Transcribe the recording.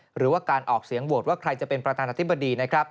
หรือว่าการออกเสียงโหวตว่าใครจะเป็นประธานาธิบดีนะครับ